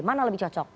mana lebih cocok